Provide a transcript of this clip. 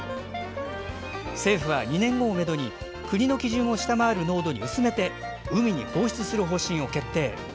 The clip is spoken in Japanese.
政府は、２年後をめどに国の基準を下回る濃度に薄めて海に放出する方針を決定。